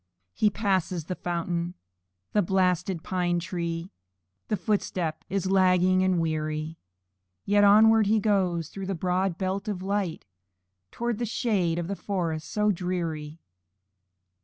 He passes the fountain, the blasted pine tree, And his footstep is lagging and weary; Yet onward he goes, through the broad belt of light, Towards the shades of the forest so dreary.